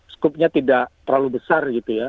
skupnya tidak terlalu besar gitu ya